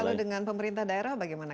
kalau dengan pemerintah daerah bagaimana